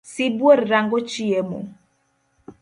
Sibuor rango chiemo.